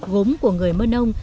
gốm của người mơ nông